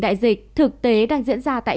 đại dịch thực tế đang diễn ra tại